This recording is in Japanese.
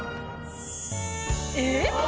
えっ？